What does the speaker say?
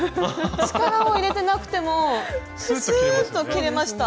力を入れてなくてもスーッと切れました。